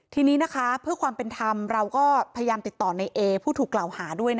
ทีนี้นะคะเพื่อความเป็นธรรมเราก็พยายามติดต่อในเอผู้ถูกกล่าวหาด้วย